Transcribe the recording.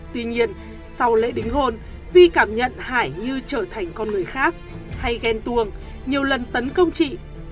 tuy nhiên sau lễ đính hồn vi cảm nhận hải như trở thành con người khác hay ghen tuồng nhiều lần tấn công chị